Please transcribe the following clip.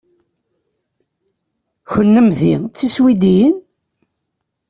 Kennemti d tiswidiyin?